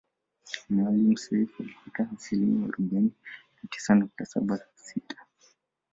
Maalim Seif alipata asilimia arobaini na tisa nukta saba sita